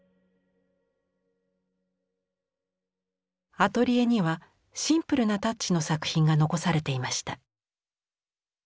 アトリエにはシンプルなタッチの作品が残されていました。